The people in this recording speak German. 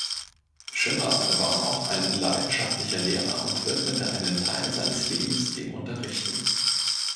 Schiller war auch ein leidenschaftlicher Lehrer und widmete einen Teil seines Lebens dem Unterrichten.